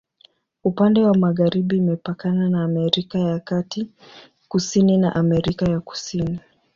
Upande wa magharibi imepakana na Amerika ya Kati, kusini na Amerika ya Kusini.